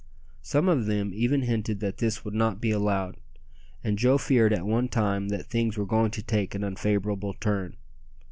Some of them even hinted that this would not be allowed, and Joe feared at one time that things were going to take an unfavourable turn.